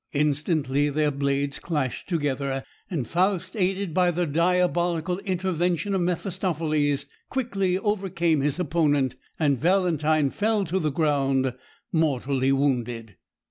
Instantly their blades clashed together, and Faust, aided by the diabolical intervention of Mephistopheles, quickly overcame his opponent, and Valentine fell to the ground mortally wounded.